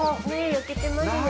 焼けてますね。